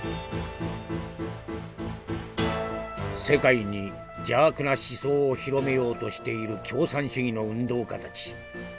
「世界に邪悪な思想を広めようとしている共産主義の運動家たち。